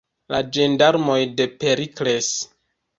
La ĝendarmoj de Perikles!